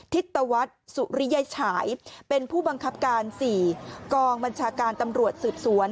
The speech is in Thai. ทิศตวัฒน์สุริยฉายเป็นผู้บังคับการ๔กองบัญชาการตำรวจสืบสวน